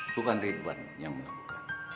bukan ridwan yang mengamukkan